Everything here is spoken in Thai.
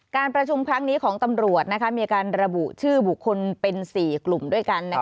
การประชุมครั้งนี้ของตำรวจมีการระบุชื่อบุคคลเป็น๔กลุ่มด้วยกัน